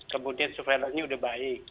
kemudian surveillance nya sudah baik